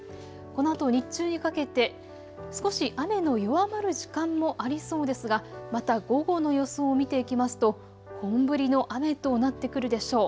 このあと日中にかけて少し雨の弱まる時間もありそうですがまた午後の予想を見ていきますと本降りの雨となってくるでしょう。